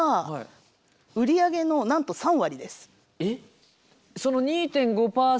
えっ？